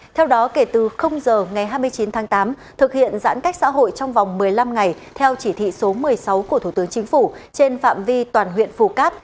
theo đó kể từ giờ ngày hai mươi chín tháng tám thực hiện giãn cách xã hội trong vòng một mươi năm ngày theo chỉ thị số một mươi sáu của thủ tướng chính phủ trên phạm vi toàn huyện phù cát